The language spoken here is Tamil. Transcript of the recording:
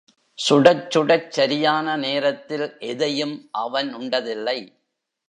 சுடச் சுடச் சரியான நேரத்தில் எதையும் அவன் உண்டதில்லை.